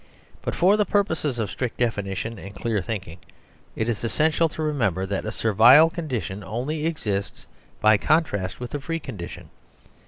But for the purposes of strict definition and clear thinking it is essential to remember that a servile con dition only exists by contrast with a free condition.